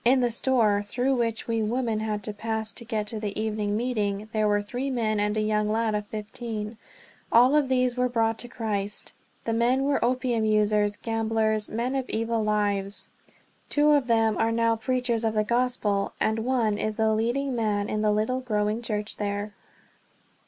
In the store, through which we women had to pass to get to the evening meeting, there were three men and a young lad of fifteen; all of these were brought to Christ. The men were opium users, gamblers, men of evil lives. Two of them are now preachers of the Gospel, and one is the leading man in the little growing church there.